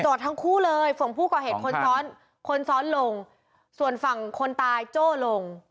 ทั้งคู่เลยฝั่งผู้ก่อเหตุคนซ้อนคนซ้อนลงส่วนฝั่งคนตายโจ้ลง